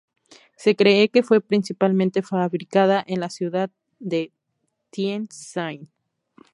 Se cree que fue principalmente fabricada en la ciudad de Tientsin.